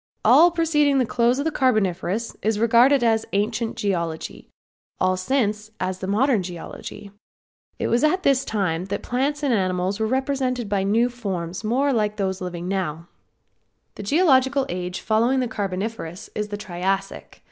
All preceding the close of the Carboniferous is regarded as ancient geology; all since then as modern geology. It was at this time that plants and animals were represented by new forms more like those now living. The geological age following the Carboniferous is the Triassic.